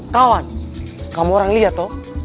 kawan kamu orang lihat toh